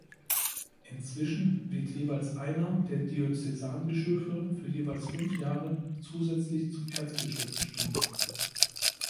Inzwischen wird jeweils einer der Diözesanbischöfe für jeweils fünf Jahre zusätzlich zum Erzbischof bestimmt.